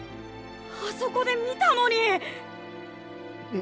あそこで見たのに。